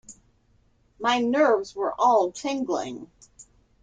My nerves were all tingling.